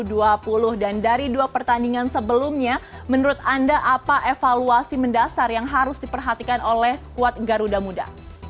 dari dua pertandingan sebelumnya menurut anda apa evaluasi mendasar yang harus diperhatikan oleh squad garuda muda